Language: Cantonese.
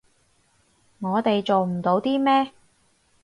我哋做唔到啲咩